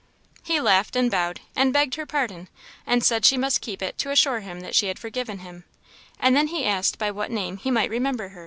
He laughed, and bowed, and begged her pardon, and said she must keep it to assure him that she had forgiven him; and then he asked by what name he might remember her.